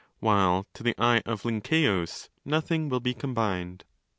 while to the eye of Lynkeus 15 nothing will be 'combined'.)